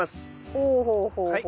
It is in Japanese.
ほうほうほうほう。